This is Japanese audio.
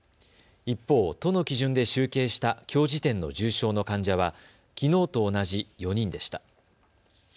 一方、都の基準で集計したきょう時点の重症の患者はきのうと同じ４人でした。